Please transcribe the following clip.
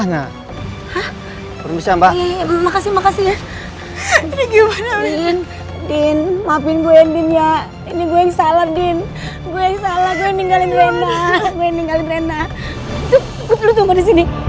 makasih makasih ya ini gue salah gue